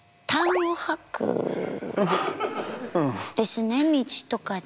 ですね道とかで。